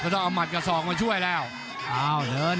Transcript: ภูตวรรณสิทธิ์บุญมีน้ำเงิน